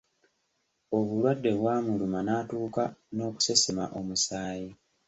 Obulwadde bw’amuluma n’atuuka n’okusesema omusaayi.